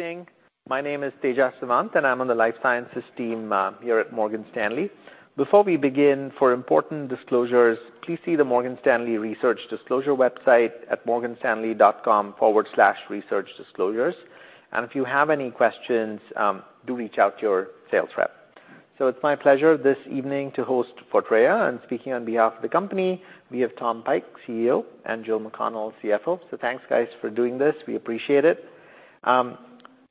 Good evening. My name is Tejas Sawant, and I'm on the life sciences team here at Morgan Stanley. Before we begin, for important disclosures, please see the Morgan Stanley Research Disclosure website at morganstanley.com/researchdisclosures. And if you have any questions, do reach out to your sales rep. So it's my pleasure this evening to host Fortrea, and speaking on behalf of the company, we have Tom Pike [CEO] and Jill McConnell [CFO]. So thanks, guys, for doing this. We appreciate it.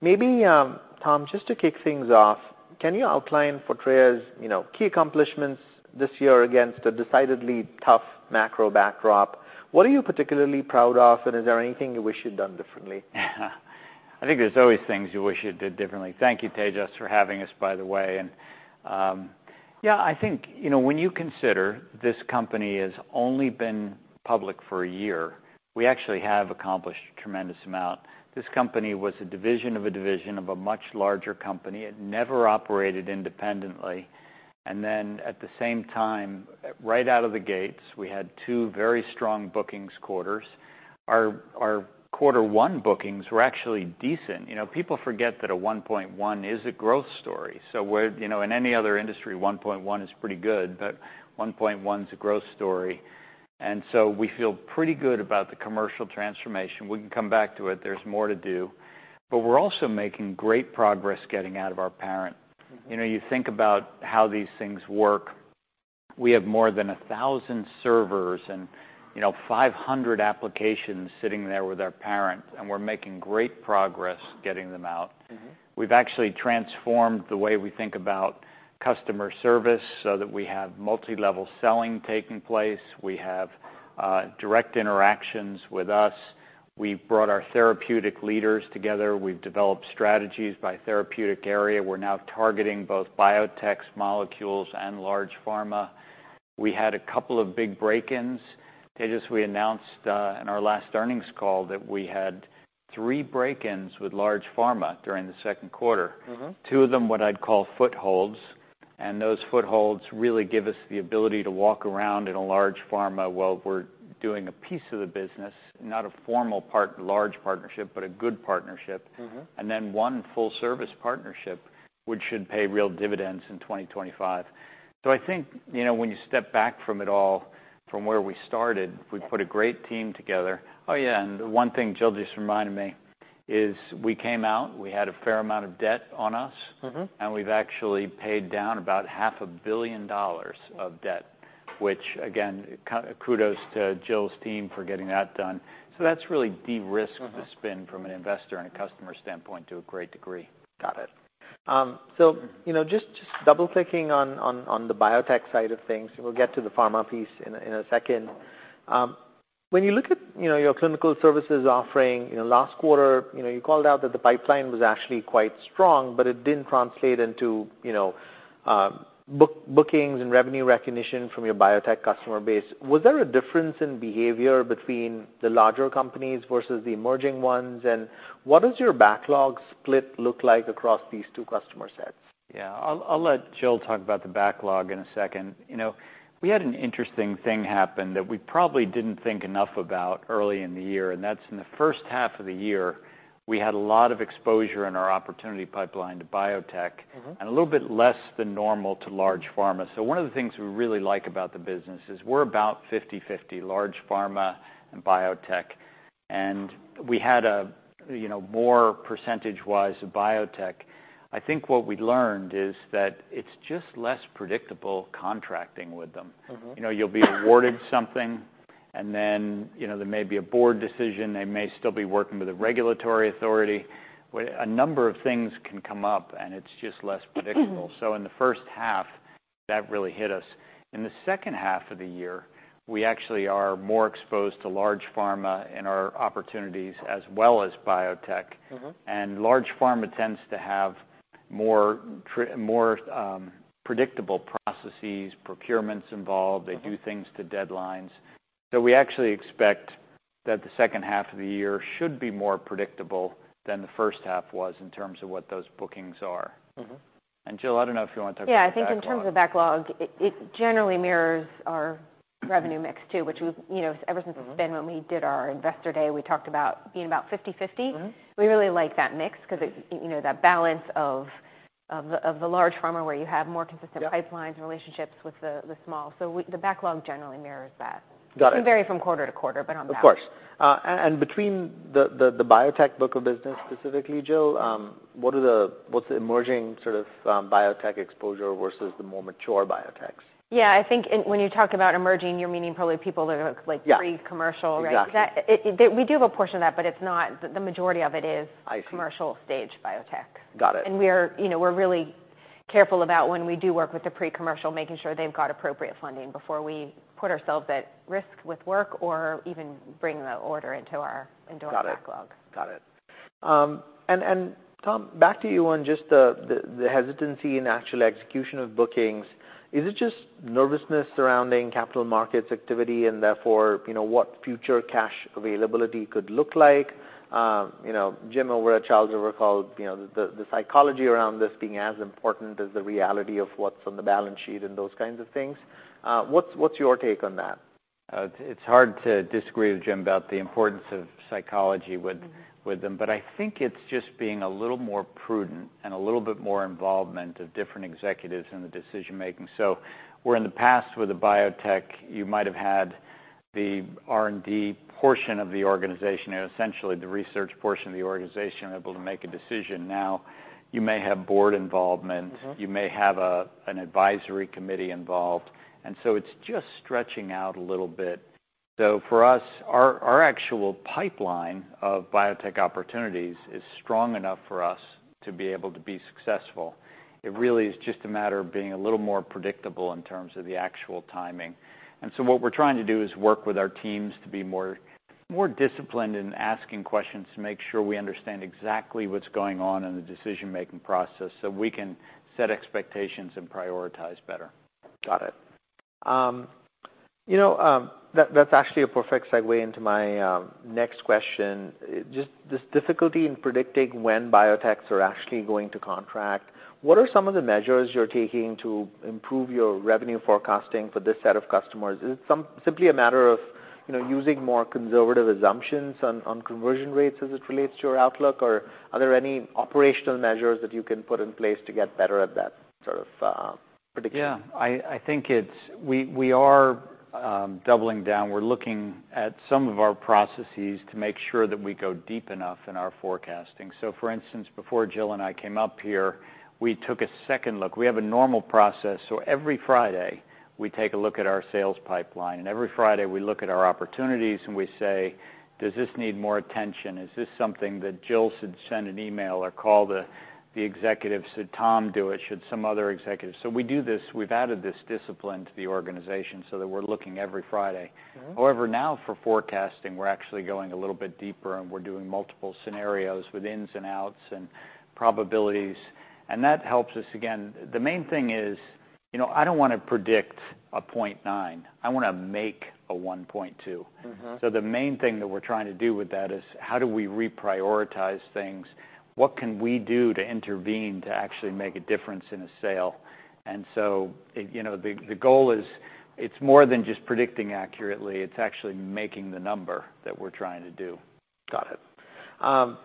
Maybe Tom, just to kick things off, can you outline Fortrea's, you know, key accomplishments this year against a decidedly tough macro backdrop? What are you particularly proud of, and is there anything you wish you'd done differently? I think there's always things you wish you did differently. Thank you, Tejas, for having us, by the way, and, yeah, I think, you know, when you consider this company has only been public for a year, we actually have accomplished a tremendous amount. This company was a division of a division of a much larger company. It never operated independently, and then, at the same time, right out of the gates, we had two very strong bookings quarters. Our quarter one bookings were actually decent. You know, people forget that a one point one is a growth story, so you know, in any other industry, one point one's a growth story. And so we feel pretty good about the commercial transformation. We can come back to it. There's more to do, but we're also making great progress getting out of our parent. You know, you think about how these things work. We have more than a thousand servers and, you know, five hundred applications sitting there with our parent, and we're making great progress getting them out. We've actually transformed the way we think about customer service so that we have multi-level selling taking place. We have, direct interactions with us. We've brought our therapeutic leaders together. We've developed strategies by therapeutic area. We're now targeting both biotechs, molecules, and large pharma. We had a couple of big break-ins. Tejas, we announced, in our last earnings call that we had three break-ins with large pharma during the second quarter. Mm-hmm. Two of them, what I'd call footholds, and those footholds really give us the ability to walk around in a large pharma while we're doing a piece of the business, not a formal part, large partnership, but a good partnership. And then one full-service partnership, which should pay real dividends in 2025. So I think, you know, when you step back from it all, from where we started, we put a great team together. Oh, yeah, and one thing Jill just reminded me is we came out, we had a fair amount of debt on us. And we've actually paid down about $500 million of debt, which again, kudos to Jill's team for getting that done. So that's really de-risked-the spin from an investor and a customer standpoint to a great degree. Got it. So, you know, just double-clicking on the biotech side of things, we'll get to the pharma piece in a second. When you look at, you know, your clinical services offering, you know, last quarter, you know, you called out that the pipeline was actually quite strong, but it didn't translate into, you know, bookings and revenue recognition from your biotech customer base. Was there a difference in behavior between the larger companies versus the emerging ones? And what does your backlog split look like across these two customer sets? Yeah, I'll let Jill talk about the backlog in a second. You know, we had an interesting thing happen that we probably didn't think enough about early in the year, and that's in the H1 of the year, we had a lot of exposure in our opportunity pipeline to biotech-and a little bit less than normal to large pharma. So one of the things we really like about the business is we're about 50/50, large pharma and biotech, and we had a, you know, more percentage-wise of biotech. I think what we learned is that it's just less predictable contracting with them. Mm-hmm. You know, you'll be awarded something, and then, you know, there may be a board decision. They may still be working with a regulatory authority. A number of things can come up, and it's just less predictable. So in the H1, that really hit us. In the H2 of the year, we actually are more exposed to large pharma in our opportunities as well as biotech. Mm-hmm. And large pharma tends to have more predictable processes, procurements involved. They do things to deadlines, so we actually expect that the H2 of the year should be more predictable than the H1 was in terms of what those bookings are. And Jill, I don't know if you want to talk about the backlog. Yeah, I think in terms of backlog, it generally mirrors our revenue mix, too, which we've, you know, ever since it's been when we did our investor day, we talked about being about 50/50. We really like that mix because it, you know, that balance of the large pharma, where you have more consistent Yeah pipelines, relationships with the small. So we, the backlog generally mirrors that. Got it. It can vary from quarter-to-quarter, but not bad. Of course, and between the biotech book of business, specifically, Jill, what's the emerging sort of biotech exposure versus the more mature biotech's? Yeah, I think when you talk about emerging, you're meaning probably people that are like- Yeah... pre-commercial, right? Exactly. We do have a portion of that, but it's not the majority of it is- I see... commercial stage biotech. Got it. We are, you know, we're really careful about when we do work with the pre-commercial, making sure they've got appropriate funding before we put ourselves at risk with work or even bring the order into our into our backlog. Got it. And Tom, back to you on just the hesitancy in actual execution of bookings. Is it just nervousness surrounding capital markets activity and therefore, you know, what future cash availability could look like? You know, Jim over at Charles River called, you know, the psychology around this being as important as the reality of what's on the balance sheet and those kinds of things. What's your take on that? It's hard to disagree with Jim about the importance of psychology with them. But I think it's just being a little more prudent and a little bit more involvement of different executives in the decision-making. So where in the past with a biotech, you might have had the R&D portion of the organization, or essentially the research portion of the organization, able to make a decision. Now, you may have board involvement- You may have an advisory committee involved, and so it's just stretching out a little bit. So for us, our actual pipeline of biotech opportunities is strong enough for us to be able to be successful. It really is just a matter of being a little more predictable in terms of the actual timing. And so what we're trying to do is work with our teams to be more disciplined in asking questions, to make sure we understand exactly what's going on in the decision-making process, so we can set expectations and prioritize better. Got it. You know, that, that's actually a perfect segue into my next question. Just this difficulty in predicting when biotech are actually going to contract, what are some of the measures you're taking to improve your revenue forecasting for this set of customers? Is it simply a matter of, you know, using more conservative assumptions on conversion rates as it relates to your outlook? Or are there any operational measures that you can put in place to get better at that sort of prediction? Yeah. I think it's we are doubling down. We're looking at some of our processes to make sure that we go deep enough in our forecasting. So for instance, before Jill and I came up here, we took a second look. We have a normal process, so every Friday, we take a look at our sales pipeline, and every Friday, we look at our opportunities, and we say: Does this need more attention? Is this something that Jill should send an email or call the executive? Should Tom do it? Should some other executive? So we do this. We've added this discipline to the organization so that we're looking every Friday. However, now for forecasting, we're actually going a little bit deeper, and we're doing multiple scenarios with ins and outs and probabilities, and that helps us again. The main thing is, you know, I don't want to predict a 0.9, I want to make a 1.2. So the main thing that we're trying to do with that is: How do we reprioritize things? What can we do to intervene to actually make a difference in a sale? And so, it, you know, the goal is. It's more than just predicting accurately. It's actually making the number that we're trying to do. Got it.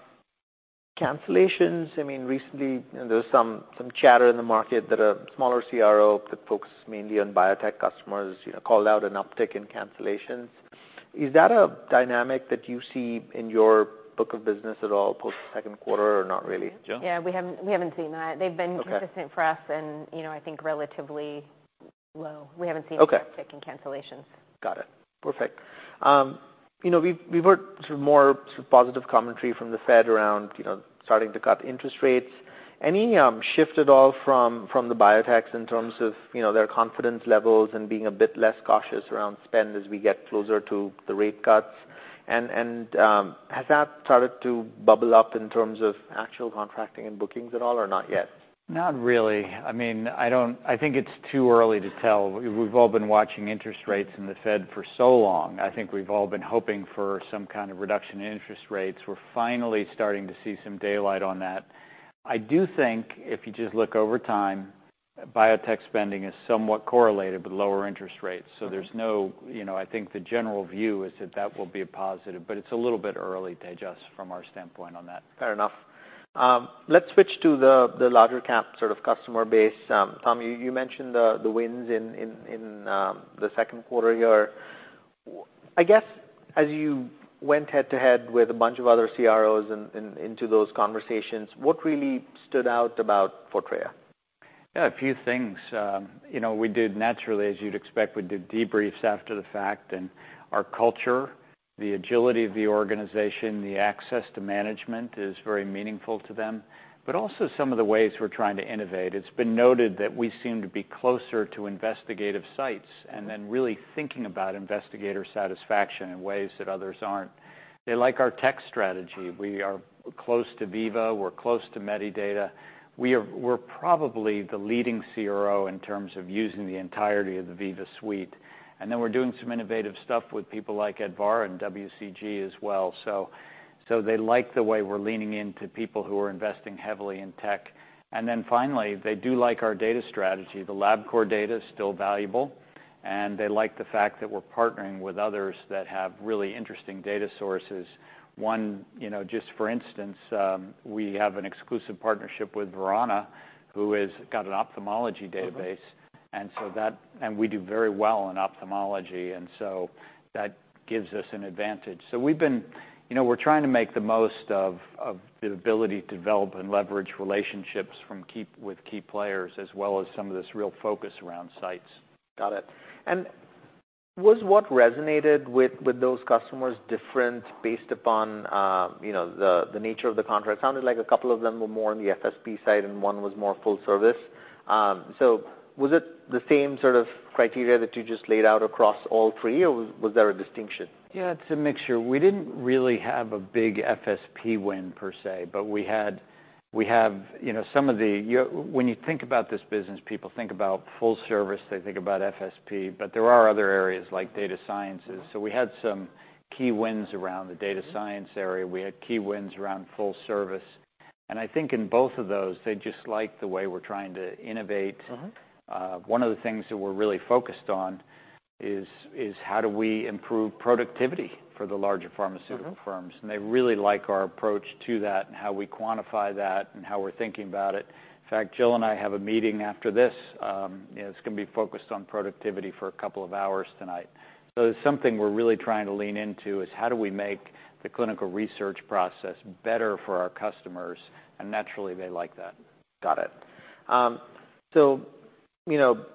Cancellations, I mean, recently, there was some chatter in the market that a smaller CRO that focuses mainly on biotech customers, you know, called out an uptick in cancellations. Is that a dynamic that you see in your book of business at all post-second quarter, or not really? Jill? Yeah, we haven't seen that. Okay. They've been consistent for us, and, you know, I think relatively low. We haven't seen uptick in cancellations. Got it. Perfect. You know, we've heard sort of more positive commentary from the Fed around, you know, starting to cut interest rates. Any shift at all from the biotech in terms of, you know, their confidence levels and being a bit less cautious around spend as we get closer to the rate cuts? And has that started to bubble up in terms of actual contracting and bookings at all, or not yet? Not really. I mean, I don't, I think it's too early to tell. We've all been watching interest rates and the Fed for so long. I think we've all been hoping for some kind of reduction in interest rates. We're finally starting to see some daylight on that. I do think if you just look over time, biotech spending is somewhat correlated with lower interest rates. You know, I think the general view is that that will be a positive, but it's a little bit early to judge from our standpoint on that. Fair enough. Let's switch to the larger cap sort of customer base. Tom, you mentioned the wins in the second quarter here. I guess, as you went head-to-head with a bunch of other CROs and into those conversations, what really stood out about Fortrea? Yeah, a few things. You know, we did naturally, as you'd expect, we did debriefs after the fact, and our culture, the agility of the organization, the access to management is very meaningful to them, but also some of the ways we're trying to innovate. It's been noted that we seem to be closer to investigator sites and then really thinking about investigator satisfaction in ways that others aren't. They like our tech strategy. We are close to Veeva, we're close to Medidata. We're probably the leading CRO in terms of using the entirety of the Veeva Suite, and then we're doing some innovative stuff with people like Advarra and WCG as well. So, so they like the way we're leaning into people who are investing heavily in tech. And then finally, they do like our data strategy. The LabCorp data is still valuable, and they like the fact that we're partnering with others that have really interesting data sources. One, you know, just for instance, we have an exclusive partnership with Verana, who has got an ophthalmology database. We do very well in ophthalmology, and so that gives us an advantage. We've been you know, we're trying to make the most of the ability to develop and leverage relationships with key players, as well as some of this real focus around sites. Got it. And was what resonated with those customers different based upon, you know, the nature of the contract? Sounded like a couple of them were more on the FSP side, and one was more full service. So was it the same sort of criteria that you just laid out across all three, or was there a distinction? Yeah, it's a mixture. We didn't really have a big FSP win per save, but we have... You know, some of the... when you think about this business, people think about full service, they think about FSP, but there are other areas like data sciences. So we had some key wins around the data science area. We had key wins around full service, and I think in both of those, they just like the way we're trying to innovate. Mm-hmm. One of the things that we're really focused on is how do we improve productivity for the larger pharmaceutical firms? And they really like our approach to that, and how we quantify that, and how we're thinking about it. In fact, Jill and I have a meeting after this, it's going to be focused on productivity for a couple of hours tonight. So it's something we're really trying to lean into, is how do we make the clinical research process better for our customers? And naturally, they like that. Got it. So, you know,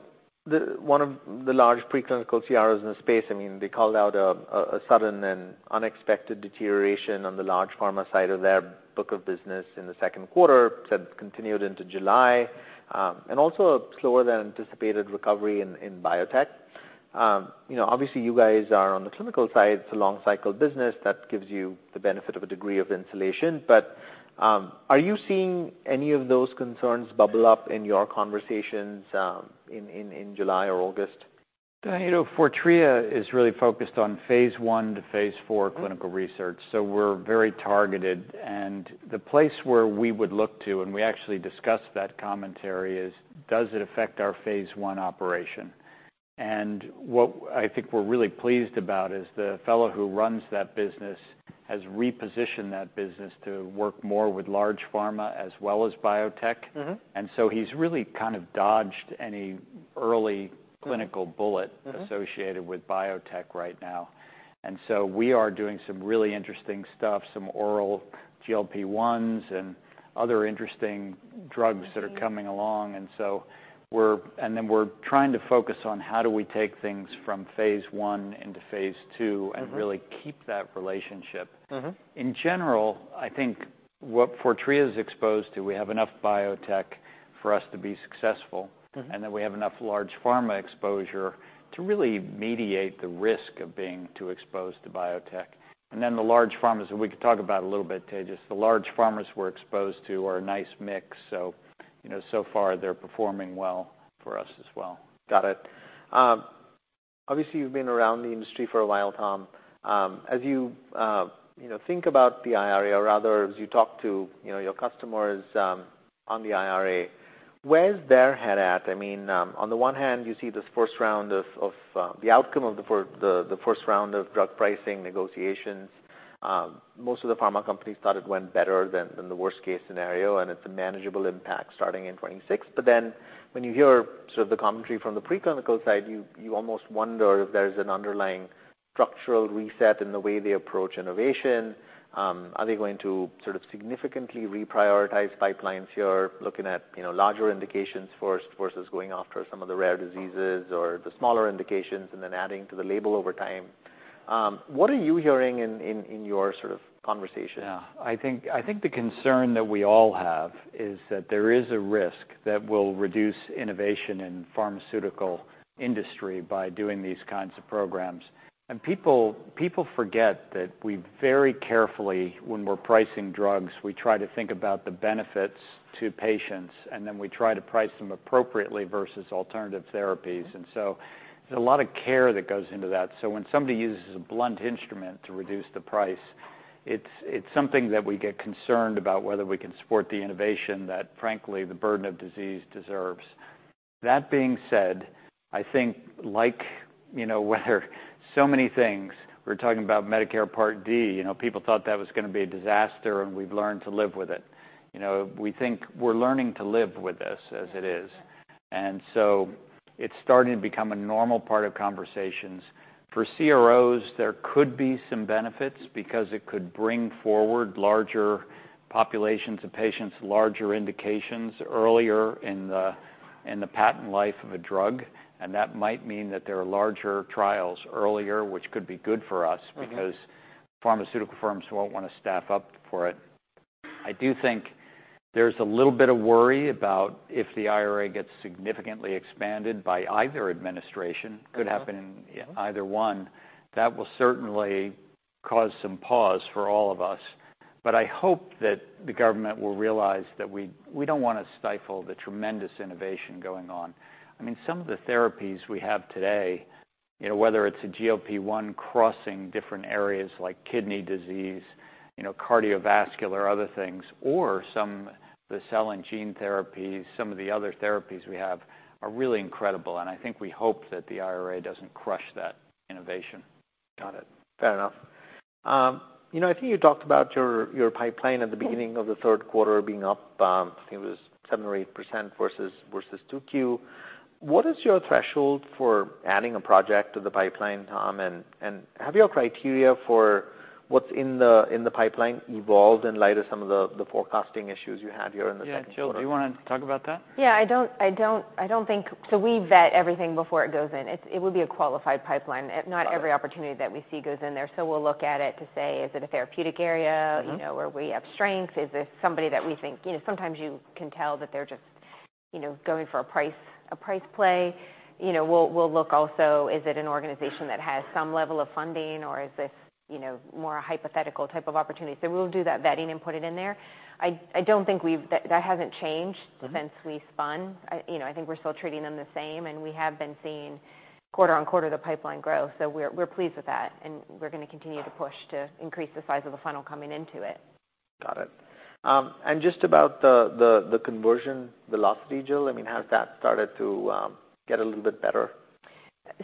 one of the large preclinical CROs in the space, I mean, they called out a sudden and unexpected deterioration on the large pharma side of their book of business in the second quarter, said it continued into July, and also a slower than anticipated recovery in biotech. You know, obviously, you guys are on the clinical side. It's a long cycle business that gives you the benefit of a degree of insulation, but, are you seeing any of those concerns bubble up in your conversations in July or August? You know, Fortrea is really focused on phase I to phase IV clinical research, so we're very targeted. And the place where we would look to, and we actually discussed that commentary, is does it affect our phase I operation? And what I think we're really pleased about is the fellow who runs that business has repositioned that business to work more with large pharma as well as biotech. And so he's really kind of dodged any early clinical bullet associated with biotech right now, and so we are doing some really interesting stuff, some oral GLP-1s and other interesting drugs that are coming along. And then we're trying to focus on how do we take things from phase I into phase II and really keep that relationship. Mm-hmm. In general, I think what Fortrea is exposed to, we have enough biotech for us to be successful. Then we have enough large pharma exposure to really mediate the risk of being too exposed to biotech. Then the large pharma, and we could talk about a little bit, Tejas. The large pharma we're exposed to are a nice mix, so, you know, so far they're performing well for us as well. Got it. Obviously, you've been around the industry for a while, Tom. As you know, think about the IRA, or rather, as you talk to, you know, your customers, on the IRA, where is their head at? I mean, on the one hand, you see this first round of drug pricing negotiations. The outcome of the first round of drug pricing negotiations. Most of the pharma companies thought it went better than the worst case scenario, and it's a manageable impact starting in 2026. But then when you hear sort of the commentary from the preclinical side, you almost wonder if there's an underlying structural reset in the way they approach innovation. Are they going to sort of significantly reprioritize pipelines here, looking at, you know, larger indications first, versus going after some of the rare diseases or the smaller indications, and then adding to the label over time? What are you hearing in your sort of conversation? Yeah. I think the concern that we all have is that there is a risk that we'll reduce innovation in pharmaceutical industry by doing these kinds of programs. And people forget that we very carefully, when we're pricing drugs, we try to think about the benefits to patients, and then we try to price them appropriately versus alternative therapies. And so there's a lot of care that goes into that. So when somebody uses a blunt instrument to reduce the price, it's something that we get concerned about whether we can support the innovation that, frankly, the burden of disease deserves. That being said, I think, like, you know, with so many things, we're talking about Medicare Part D, you know, people thought that was going to be a disaster, and we've learned to live with it. You know, we think we're learning to live with this as it is. And so it's starting to become a normal part of conversations. For CROs, there could be some benefits because it could bring forward larger populations of patients, larger indications earlier in the patent life of a drug. And that might mean that there are larger trials earlier, which could be good for us because pharmaceutical firms won't want to staff up for it. I do think there's a little bit of worry about if the IRA gets significantly expanded by either administration. Could happen in either one, that will certainly cause some pause for all of us. But I hope that the government will realize that we don't want to stifle the tremendous innovation going on. I mean, some of the therapies we have today, you know, whether it's a GLP-1, crossing different areas like kidney disease, you know, cardiovascular, other things, or some, the cell and gene therapies, some of the other therapies we have are really incredible, and I think we hope that the IRA doesn't crush that innovation. Got it. Fair enough. You know, I think you talked about your pipeline at the beginning of the third quarter being up. I think it was 7% or 8% versus 2Q. What is your threshold for adding a project to the pipeline, Tom? And have your criteria for what's in the pipeline evolved in light of some of the forecasting issues you had here in the second quarter? Yeah, Jill, do you want to talk about that? Yeah, I don't think so. We vet everything before it goes in. It would be a qualified pipeline. Got it. Not every opportunity that we see goes in there. So we'll look at it to say, is it a therapeutic area you know, where we have strength? Is this somebody that we think... You know, sometimes you can tell that they're just, you know, going for a price, a price play. You know, we'll look also, is it an organization that has some level of funding, or is this, you know, more a hypothetical type of opportunity? So we'll do that vetting and put it in there. I don't think we've-- That hasn't changed- since we spun. I, you know, I think we're still treating them the same, and we have been seeing quarter-on-quarter the pipeline grow. So we're pleased with that, and we're going to continue to push to increase the size of the funnel coming into it. Got it. And just about the conversion velocity, Jill, I mean, has that started to get a little bit better?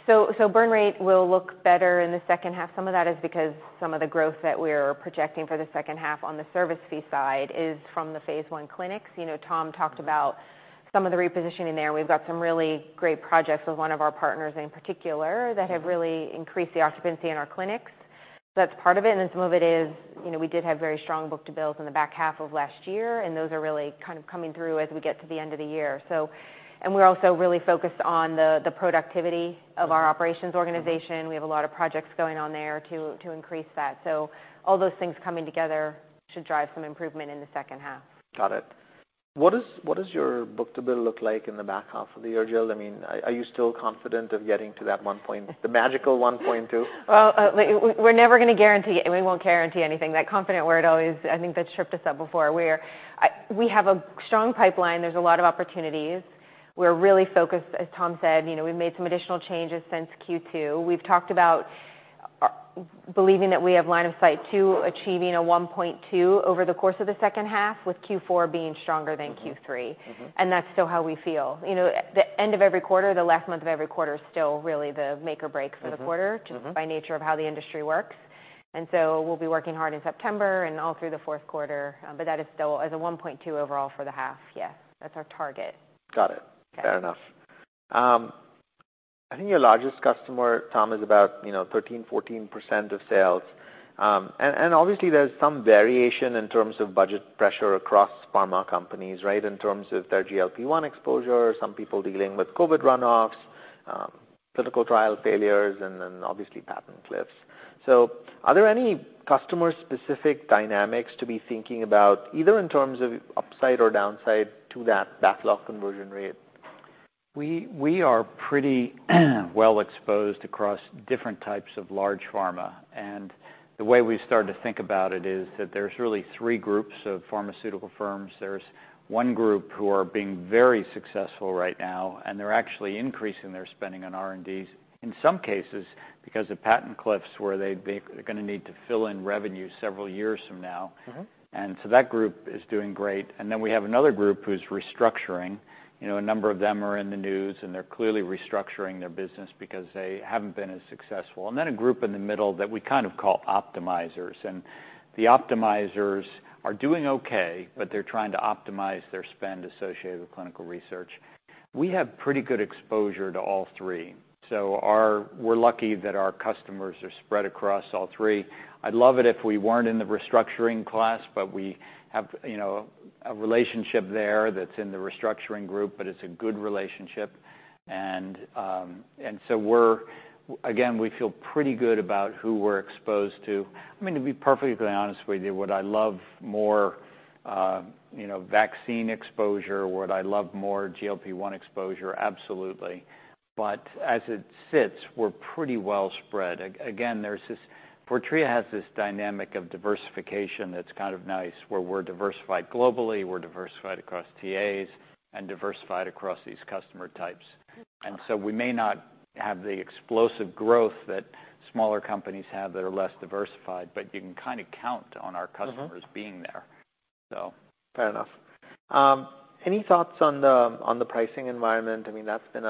So, so burn rate will look better in the H2. Some of that is because some of the growth that we're projecting for the H2 on the service fee side is from the phase one clinics. You know, Tom talked about some of the repositioning there. We've got some really great projects with one of our partners in particular that have really increased the occupancy in our clinics. That's part of it, and some of it is, you know, we did have very strong book-to-bills in the back half of last year, and those are really kind of coming through as we get to the end of the year. So, and we're also really focused on the productivity of our operations organization. We have a lot of projects going on there to increase that. All those things coming together should drive some improvement in the H2. Got it. What does your book-to-bill look like in the back half of the year, Jill? I mean, are you still confident of getting to that one point, the magical one point two? We're never going to guarantee. We won't guarantee anything. That confident word always, I think, that tripped us up before. We have a strong pipeline. There's a lot of opportunities. We're really focused, as Tom said, you know, we've made some additional changes since Q2. We've talked about believing that we have line of sight to achieving a 1.2 over the course of the H2, with Q4 being stronger than Q3. And that's still how we feel. You know, the end of every quarter, the last month of every quarter is still really the make or break for the quarter. Just by nature of how the industry works. And so we'll be working hard in September and all through the fourth quarter, but that is still as a one point two overall for the half. Yeah, that's our target. Got it. Okay. Fair enough. I think your largest customer, Tom, is about, you know, 13-14% of sales, and obviously there's some variation in terms of budget pressure across pharma companies, right? In terms of their GLP-1 exposure, some people dealing with COVID runoffs, clinical trial failures, and then obviously patent cliffs. So are there any customer-specific dynamics to be thinking about, either in terms of upside or downside to that backlog conversion rate? We are pretty well exposed across different types of large pharma, and the way we've started to think about it is that there's really three groups of pharmaceutical firms. There's one group who are being very successful right now, and they're actually increasing their spending on R&Ds, in some cases, because of patent cliffs, where they're going to need to fill in revenue several years from now. And so that group is doing great. And then we have another group who's restructuring. You know, a number of them are in the news, and they're clearly restructuring their business because they haven't been as successful. And then a group in the middle that we kind of call optimizers, and the optimizers are doing okay, but they're trying to optimize their spend associated with clinical research. We have pretty good exposure to all three, so we're lucky that our customers are spread across all three. I'd love it if we weren't in the restructuring class, but we have, you know, a relationship there that's in the restructuring group, but it's a good relationship. And so again, we feel pretty good about who we're exposed to. I mean, to be perfectly honest with you, would I love more, you know, vaccine exposure? Would I love more GLP-1 exposure? Absolutely. But as it sits, we're pretty well spread. Again, there's this. Fortrea has this dynamic of diversification that's kind of nice, where we're diversified globally, we're diversified across TAs, and diversified across these customer types. And so we may not have the explosive growth that smaller companies have that are less diversified, but you can kind of count on our customers-being there, so. Fair enough. Any thoughts on the pricing environment? I mean, that's been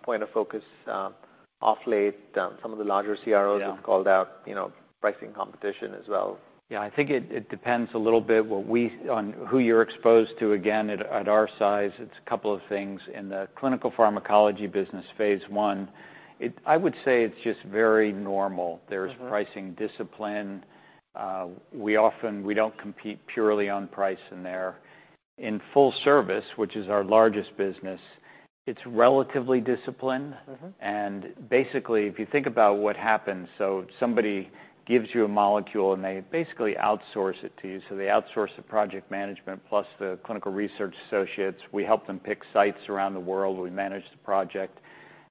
a point of focus, of late. Some of the larger CROs- have called out, you know, pricing competition as well. Yeah, I think it depends a little bit on who you're exposed to. Again, at our size, it's a couple of things. In the clinical pharmacology business, phase one, I would say it's just very normal. There's pricing discipline. We often don't compete purely on price in there. In full service, which is our largest business, it's relatively disciplined. And basically, if you think about what happens, so somebody gives you a molecule, and they basically outsource it to you. So they outsource the project management plus the clinical research associates. We help them pick sites around the world. We manage the project.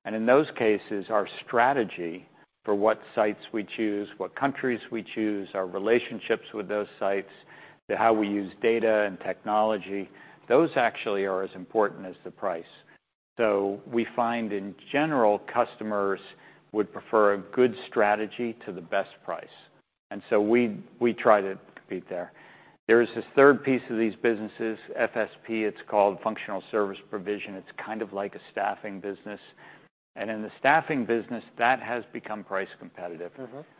And in those cases, our strategy for what sites we choose, what countries we choose, our relationships with those sites, to how we use data and technology, those actually are as important as the price. So we find, in general, customers would prefer a good strategy to the best price, and so we try to compete there. There is this third piece of these businesses, FSP, it's called Functional Service Provision. It's kind of like a staffing business. And in the staffing business, that has become price competitive.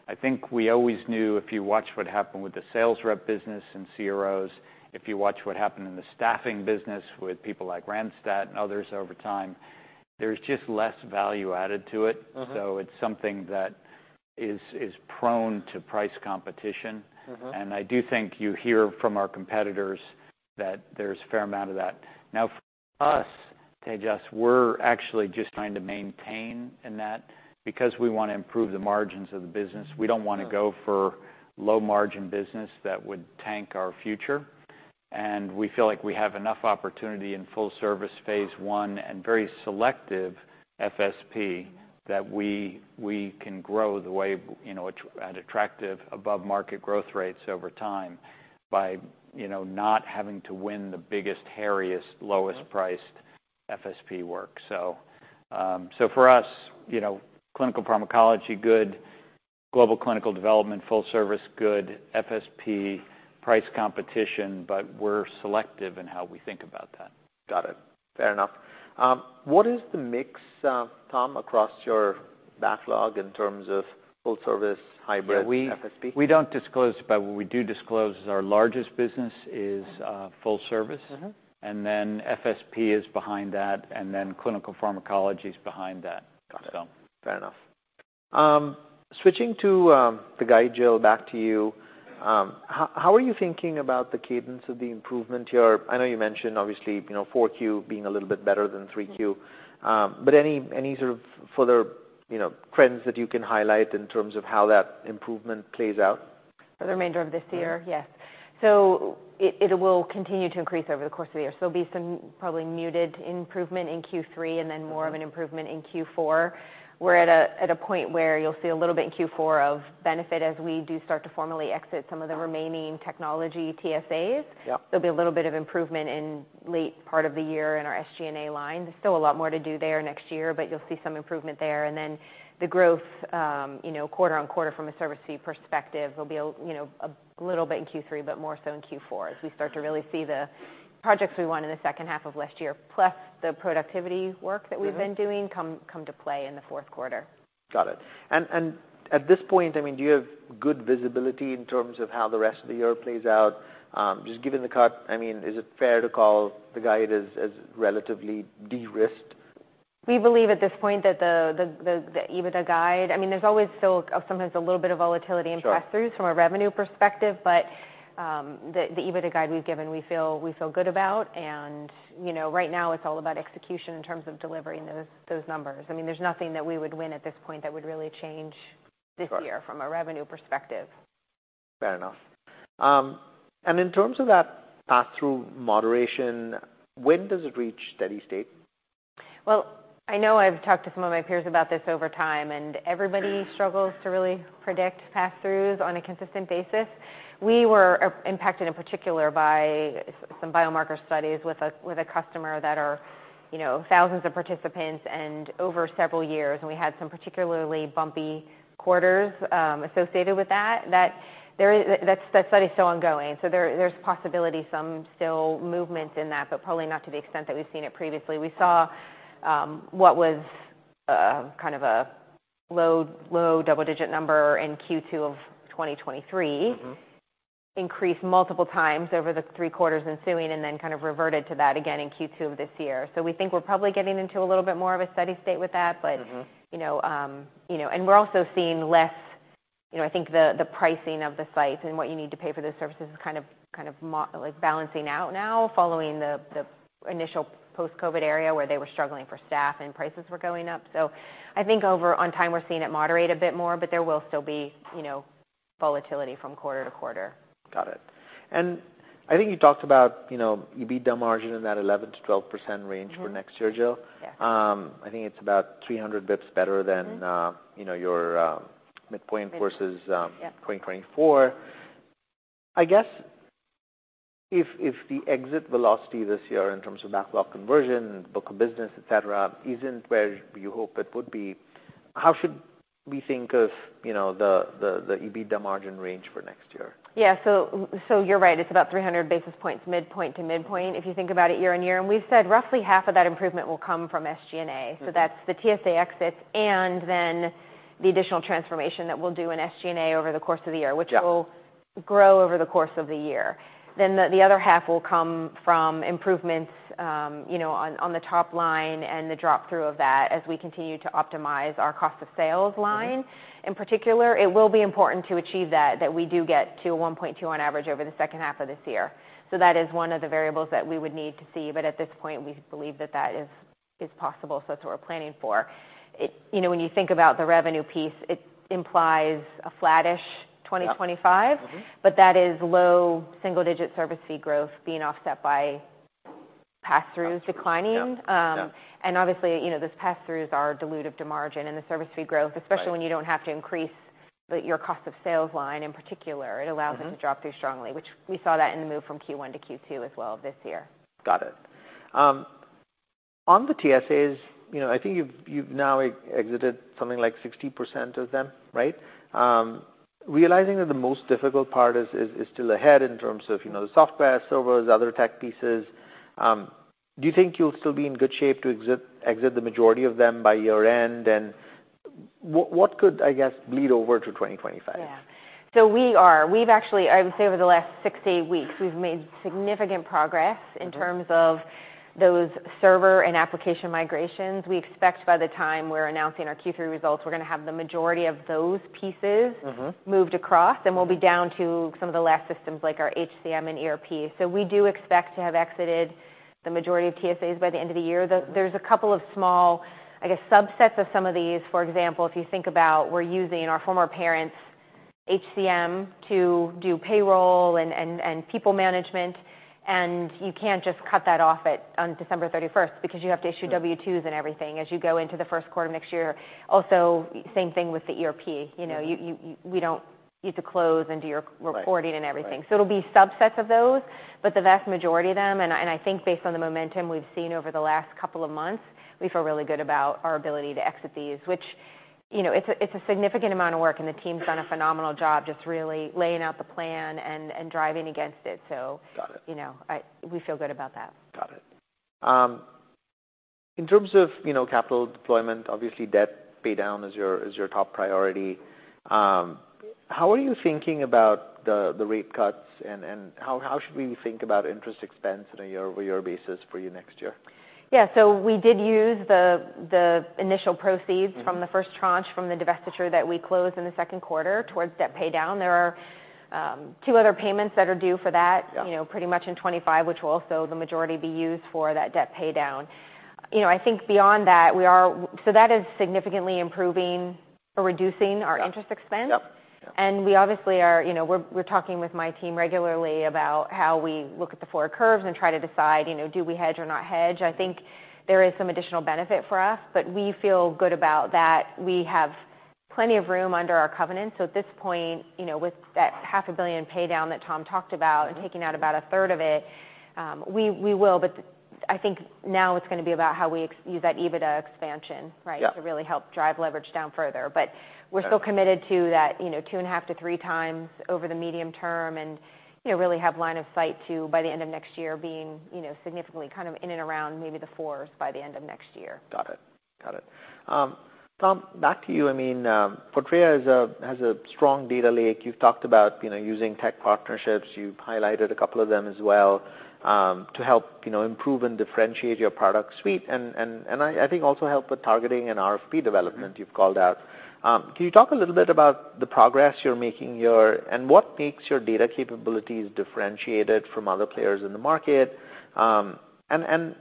I think we always knew, if you watch what happened with the sales rep business and CROs, if you watch what happened in the staffing business with people like Randstad and others over time, there's just less value added to it. So it's something that is prone to price competition. And I do think you hear from our competitors that there's a fair amount of that. Now, for us, Tejas, we're actually just trying to maintain in that because we want to improve the margins of the business. Sure. We don't want to go for low-margin business that would tank our future. And we feel like we have enough opportunity in full service phase one and very selective FSP, that we can grow the way, you know, at attractive above-market growth rates over time by, you know, not having to win the biggest, hairiest lowest priced FSP work. So, so for us, you know, clinical pharmacology, good. Global clinical development, full service, good. FSP, price competition, but we're selective in how we think about that. Got it. Fair enough. What is the mix, Tom, across your backlog in terms of full service hybrid FSP? We don't disclose, but what we do disclose is our largest business is full service. And then FSP is behind that, and then clinical pharmacology is behind that. Got it. Fair enough. Switching to the guide, Jill, back to you. How are you thinking about the cadence of the improvement here? I know you mentioned obviously, you know, 4Q being a little bit better than 3Q. But any sort of further, you know, trends that you can highlight in terms of how that improvement plays out? For the remainder of this year? Yeah. Yes. So, it will continue to increase over the course of the year. So, there'll be some probably muted improvement in Q3, and then more of an improvement in Q4, where at a point where you'll see a little bit in Q4 of benefit as we do start to formally exit some of the remaining technology TSAs. Yep. There'll be a little bit of improvement in late part of the year in our SG&A line. There's still a lot more to do there next year, but you'll see some improvement there. And then the growth, you know, quarter-on-quarter from a service fee perspective will be a little bit in Q3, but more so in Q4 as we start to really see the projects we won in the H2 of last year, plus the productivity work that we've been doing, come to play in the fourth quarter. Got it. And at this point, I mean, do you have good visibility in terms of how the rest of the year plays out? Just given the cut, I mean, is it fair to call the guide as relatively de-risked? We believe at this point that the EBITDA guide... I mean, there's always still sometimes a little bit of volatility- Sure... in pass-throughs from a revenue perspective, but the EBITDA guide we've given, we feel good about. And, you know, right now, it's all about execution in terms of delivering those numbers. I mean, there's nothing that we would win at this point that would really change this year from a revenue perspective. Fair enough. And in terms of that pass-through moderation, when does it reach steady state? I know I've talked to some of my peers about this over time, and everybody struggles to really predict pass-throughs on a consistent basis. We were impacted, in particular, by some biomarker studies with a customer that are, you know, thousands of participants and over several years, and we had some particularly bumpy quarters associated with that. That study is still ongoing, so there's possibility some still movement in that, but probably not to the extent that we've seen it previously. We saw what was kind of a low double-digit number in Q2 of 2023 increase multiple times over the three quarters ensuing, and then kind of reverted to that again in Q2 of this year. So, we think we're probably getting into a little bit more of a steady state with that. You know, you know, and we're also seeing less. You know, I think the pricing of the sites and what you need to pay for the services is kind of more like balancing out now, following the initial post-COVID era, where they were struggling for staff and prices were going up. So I think over time, we're seeing it moderate a bit more, but there will still be, you know, volatility from quarter-to-quarter. Got it. And I think you talked about, you know, EBITDA margin in that 11% to 12% range for next year, Jill. Yeah. I think it's about 300 basis points better than you know, your midpoint versus 2024. I guess, if the exit velocity this year in terms of backlog conversion, book of business, et cetera, isn't where you hope it would be, how should we think of, you know, the EBITDA margin range for next year? Yeah. So, you're right, it's about 300 basis points, midpoint to midpoint if you think about it year-on-year, and we've said roughly half of that improvement will come from SG&A. So that's the TSA exits, and then the additional transformation that we'll do in SG&A over the course of the year- Yeah... which will grow over the course of the year. Then the other half will come from improvements, you know, on the top line and the drop through of that as we continue to optimize our cost of sales line In particular, it will be important to achieve that we do get to 1.2 on average over the H2 of this year. So that is one of the variables that we would need to see, but at this point, we believe that is possible, so that's what we're planning for. You know, when you think about the revenue piece, it implies a flattish 2025. Yep. Mm-hmm. But that is low single-digit service fee growth being offset by pass-through declining. Yeah. Yeah. And obviously, you know, those pass-throughs are dilutive to margin and the service fee growth-especially when you don't have to increase your Cost of Sales line, in particular. It allows them to drop through strongly, which we saw that in the move from Q1 to Q2 as well, this year. Got it. On the TSAs, you know, I think you've now exited something like 60% of them, right? Realizing that the most difficult part is still ahead in terms of, you know, the software, servers, other tech pieces, do you think you'll still be in good shape to exit the majority of them by year-end? And what could, I guess, bleed over to 2025? Yeah, so we've actually, I would say, over the last 68 weeks, we've made significant progress- in terms of those server and application migrations. We expect by the time we're announcing our Q3 results, we're going to have the majority of those pieces-moved across, and we'll be down to some of the last systems, like our HCM and ERP. So we do expect to have exited the majority of TSAs by the end of the year. There's a couple of small, I guess, subsets of some of these. For example, if you think about we're using our former parents' HCM to do payroll and people management, and you can't just cut that off at, on 31 December because you have to issue W-2s and everything as you go into the first quarter next year. Also, same thing with the ERP. Yeah. You know, you have to close and do your reporting and everything. Right. So it'll be subsets of those, but the vast majority of them, and I think based on the momentum we've seen over the last couple of months, we feel really good about our ability to exit these, which you know, it's a significant amount of work, and the team's done a phenomenal job just really laying out the plan and driving against it. So, You know, we feel good about that. Got it. In terms of, you know, capital deployment, obviously, debt paydown is your, is your top priority. How are you thinking about the rate cuts, and how should we think about interest expense on a year-over-year basis for you next year? Yeah, so we did use the initial proceeds from the first tranche from the divestiture that we closed in the second quarter towards debt paydown. There are, two other payments that are due for that- Yeah You know, pretty much in 2025, which will also the majority be used for that debt paydown. You know, I think beyond that, we are... So that is significantly improving or reducing our interest expense. Yep, yep. We obviously are, you know, talking with my team regularly about how we look at the forward curves and try to decide, you know, do we hedge or not hedge? I think there is some additional benefit for us, but we feel good about that. We have plenty of room under our covenant. At this point, you know, with that $500 million paydown that Tom talked about, and taking out about a third of it, we will. But I think now it's going to be about how we use that EBITDA expansion, right? Yeah. To really help drive leverage down further. But we're still committed to that, you know, 2 1/2 to 3x over the medium term, and, you know, really have line of sight to, by the end of next year, being, you know, significantly kind of in and around maybe the fours by the end of next year. Got it. Got it. Tom, back to you. I mean, Fortrea has a strong data lake. You've talked about, you know, using tech partnerships. You've highlighted a couple of them as well, to help, you know, improve and differentiate your product suite, and I think also help with targeting and RFP development you've called out. Can you talk a little bit about the progress you're making here, and what makes your data capabilities differentiated from other players in the market? And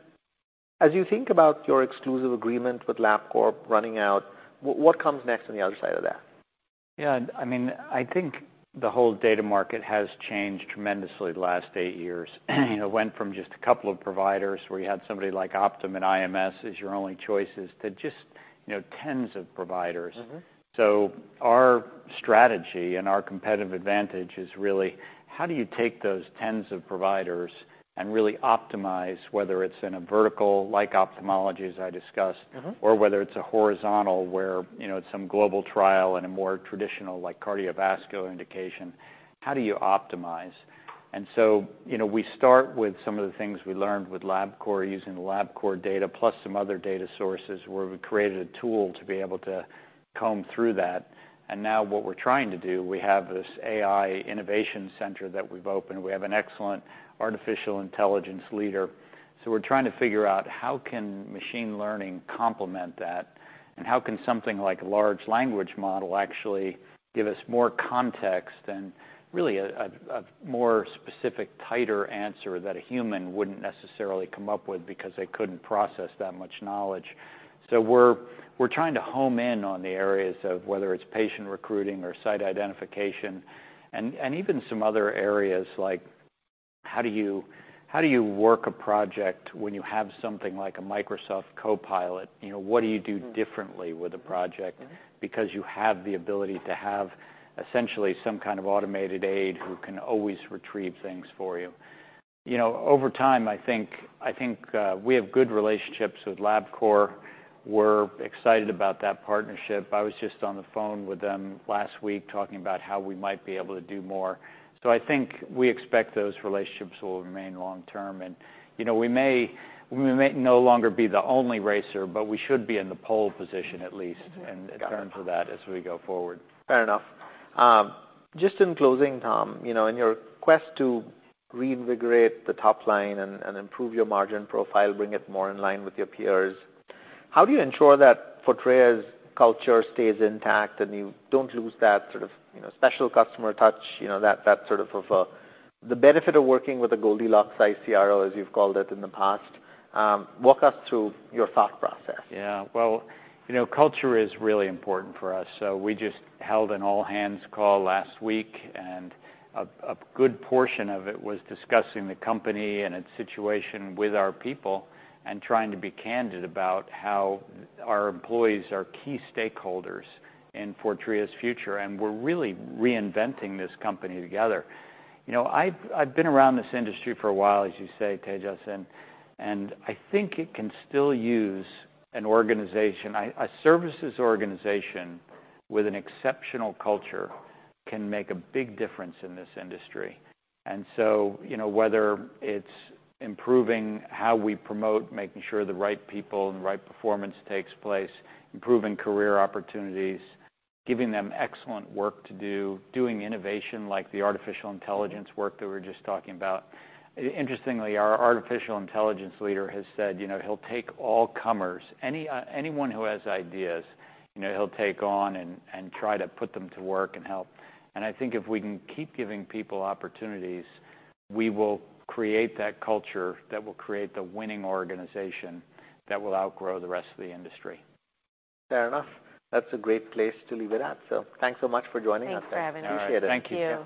as you think about your exclusive agreement with LabCorp running out, what comes next on the other side of that? Yeah, I mean, I think the whole data market has changed tremendously the last eight years. It went from just a couple of providers, where you had somebody like Optum and IMS as your only choices, to just, you know, tens of providers. So our strategy and our competitive advantage is really: How do you take those tens of providers and really optimize, whether it's in a vertical, like ophthalmology, as I discussed- or whether it's a horizontal, where, you know, it's some global trial and a more traditional, like, cardiovascular indication? How do you optimize? And so, you know, we start with some of the things we learned with LabCorp, using the LabCorp data, plus some other data sources, where we created a tool to be able to comb through that. And now what we're trying to do, we have this AI innovation center that we've opened. We have an excellent artificial intelligence leader. So we're trying to figure out, how can machine learning complement that? And how can something like large language model actually give us more context and really a more specific, tighter answer that a human wouldn't necessarily come up with because they couldn't process that much knowledge? So we're trying to home in on the areas of whether it's patient recruiting or site identification, and even some other areas, like how do you work a project when you have something like a Microsoft Copilot? You know, what do you do differently with a project- Because you have the ability to have essentially some kind of automated aide who can always retrieve things for you? You know, over time, I think, we have good relationships with LabCorp. We're excited about that partnership. I was just on the phone with them last week, talking about how we might be able to do more. So I think we expect those relationships will remain long-term. And, you know, we may no longer be the only racer, but we should be in the pole position at least. Got it And in terms of that as we go forward. Fair enough. Just in closing, Tom, you know, in your quest to reinvigorate the top line and improve your margin profile, bring it more in line with your peers, how do you ensure that Fortrea's culture stays intact, and you don't lose that sort of, you know, special customer touch, you know, that sort of the benefit of working with a Goldilocks CRO, as you've called it in the past? Walk us through your thought process. Yeah. Well, you know, culture is really important for us. So we just held an all-hands call last week, and a good portion of it was discussing the company and its situation with our people, and trying to be candid about how our employees are key stakeholders in Fortrea's future, and we're really reinventing this company together. You know, I've been around this industry for a while, as you say, Tejas, and I think it can still use an organization. A services organization with an exceptional culture can make a big difference in this industry. And so, you know, whether it's improving how we promote, making sure the right people and the right performance takes place, improving career opportunities, giving them excellent work to do, doing innovation, like the artificial intelligence work that we're just talking about... Interestingly, our artificial intelligence leader has said, you know, he'll take all comers. Any, anyone who has ideas, you know, he'll take on and try to put them to work and help. And I think if we can keep giving people opportunities, we will create that culture that will create the winning organization that will outgrow the rest of the industry. Fair enough. That's a great place to leave it at. So thanks so much for joining us. Thanks for having us. I appreciate it. All right. Thank you. Thank you.